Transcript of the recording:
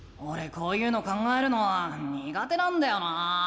こういうの考えるのはにが手なんだよな。